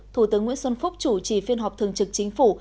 thủ tướng nguyễn xuân phúc chủ trì phiên họp thường trực chính phủ